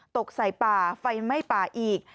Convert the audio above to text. ตกใส่ป่าไฟไหม้ป่าอีก